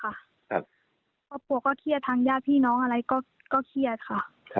ครอบครัวก็เครียดทางญาติพี่น้องอะไรก็เครียดค่ะ